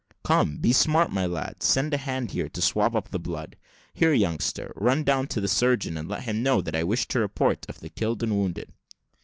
"Come, be smart, my lads; send a hand here to swab up the blood. Here, youngster, run down to the surgeon, and let him know that I wish a report of the killed and wounded."